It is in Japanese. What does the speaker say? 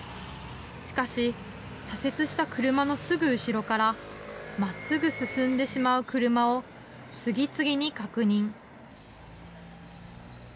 しかし、左折した車のすぐ後ろからまっすぐ進んでしまう車を次々に確認。